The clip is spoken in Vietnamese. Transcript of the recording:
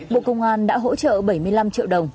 bộ công an đã hỗ trợ bảy mươi năm triệu đồng